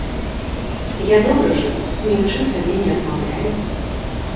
Я добра жыву, ні ў чым сабе не адмаўляю.